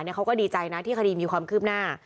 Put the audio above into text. เขาก็ดีใจนะที่คดีมีความคืบหน้า